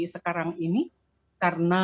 sekarang ini karena